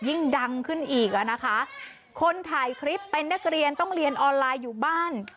ยิ่งดังขึ้นอีกอ่ะนะคะคนถ่ายคลิปเป็นนักเรียนต้องเรียนออนไลน์อยู่บ้าน